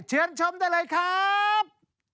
เชิญชมได้เลยครับ